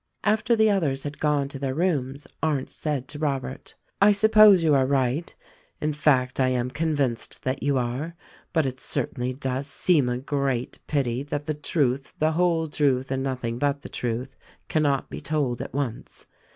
After the others had gone to their rooms Arndt said to Robert, "I suppose you are right; in fact I am convinced that you are ; but it certainly does seem a great pity that the 278 THE RECORDING ANGEL truth, the whole truth and nothing but the truth cannot be told at once.